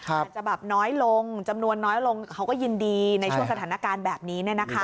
อาจจะแบบน้อยลงจำนวนน้อยลงเขาก็ยินดีในช่วงสถานการณ์แบบนี้